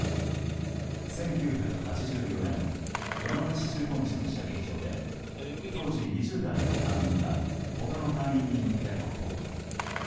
１９８４年山口駐屯地の射撃場で当時２０代の隊員が他の隊員に向けて発砲。